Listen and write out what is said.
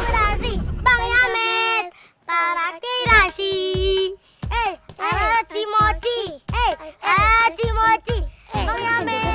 dan pensar renang them jahmet beny unknown